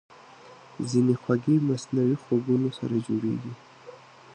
ځینې خوږې د مصنوعي خوږونکو سره جوړېږي.